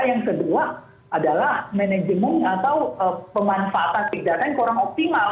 yang kedua adalah manajemen atau pemanfaatan pidana yang kurang optimal